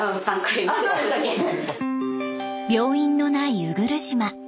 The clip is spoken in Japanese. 病院のない鵜来島。